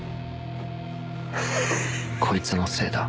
［こいつのせいだ］